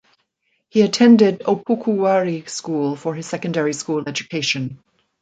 He attended Opoku Ware School for his secondary school education.